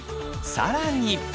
更に。